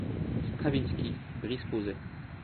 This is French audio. Stravinsky, Brice Pauset.